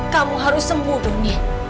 kamu harus sembuh doni